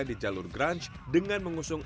di jalur grunch dengan mengusung